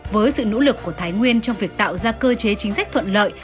với sự nỗ lực của thái nguyên trong việc tạo ra cơ chế chính sách thuận lợi